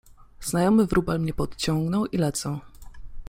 Znajomy wróbel mnie podciągnął i lecę.